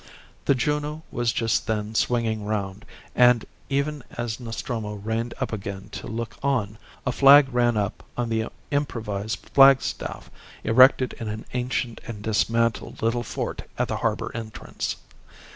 The Juno was just then swinging round; and even as Nostromo reined up again to look on, a flag ran up on the improvised flagstaff erected in an ancient and dismantled little fort at the harbour entrance.